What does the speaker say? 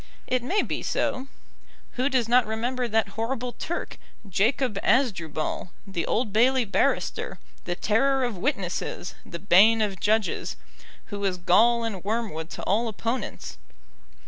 It may be so. Who does not remember that horrible Turk, Jacob Asdrubal, the Old Bailey barrister, the terror of witnesses, the bane of judges, who was gall and wormwood to all opponents.